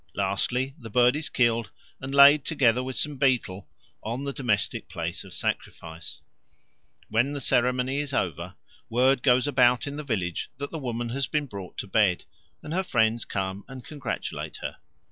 Lastly, the bird is killed and laid, together with some betel, on the domestic place of sacrifice. When the ceremony is over, word goes about in the village that the woman has been brought to bed, and her friends come and congratulate her.